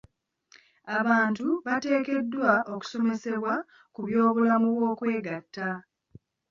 Abantu bateekeddwa okusomesebwa ku byobulamu bw'okwegatta.